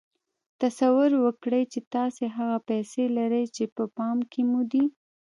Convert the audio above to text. تصور وکړئ چې تاسې هغه پيسې لرئ چې په پام کې مو دي.